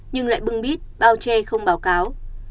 nhưng lại bưng bít bao che không báo cáo